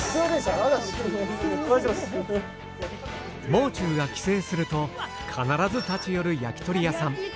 もう中が帰省すると必ず立ち寄る焼き鳥屋さん。